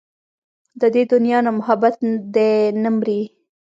د دې دنيا نه محبت دې نه مري